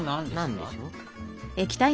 何でしょう？